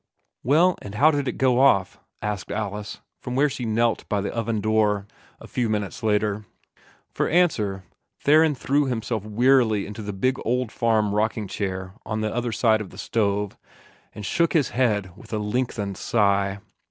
"Well? and how did it go off?" asked Alice, from where she knelt by the oven door, a few minutes later. For answer, Theron threw himself wearily into the big old farm rocking chair on the other side of the stove, and shook his head with a lengthened sigh.